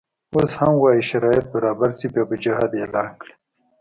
اوس هم وایي شرایط برابر شي بیا به جهاد اعلان کړي.